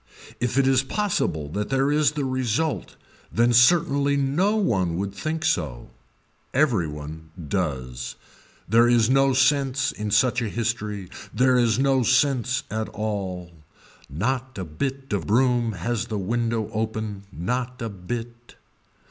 If it is possible that there is the result then certainly no one would think so. Every one does. There is no sense in such a history. There is no sense at all. Not a bit of broom has the window open, not a bit.